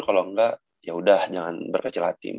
kalo engga yaudah jangan berkecil hati